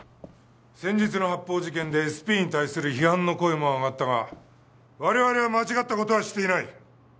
先日の発砲事件でＳＰに対する批判の声も上がったが我々は間違った事はしていない。